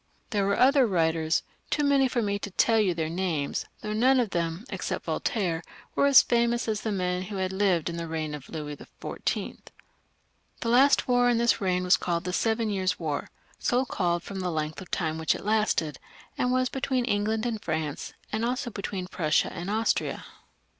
There were other writers, too many for me to teU you their names, though they were none of them, except Voltaire, as famous as the men who had lived in the reign of Louis XIV. The last war in this reign was called The Seven Years' War, so called from the length of time for which it lasted, and was between England and France, and also between Prussia and Austria.